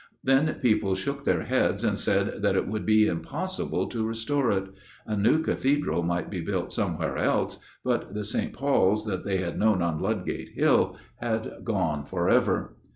Then people shook their heads, and said that it would be impossible to restore it. A new Cathedral might be built somewhere else, but the St. Paul's that they had known on Ludgate Hill had gone for ever.